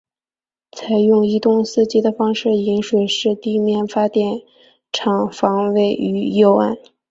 采用一洞四机的方式引水式地面发电厂房位于右岸。